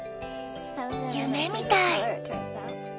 夢みたい！